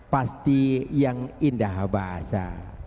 pasti yang indah bahasa